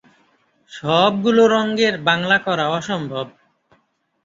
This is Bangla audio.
সবগুলো রঙের বাংলা করা অসম্ভব।